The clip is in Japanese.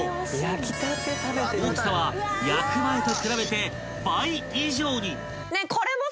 ［大きさは焼く前と比べて倍以上に］